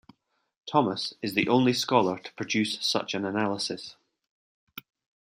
Thomas is the only scholar to produce such an analysis.